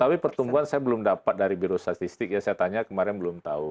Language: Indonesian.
tapi pertumbuhan saya belum dapat dari biro statistik ya saya tanya kemarin belum tahu